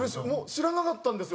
知らなかったんですよ